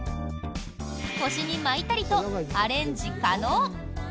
腰に巻いたりとアレンジ可能。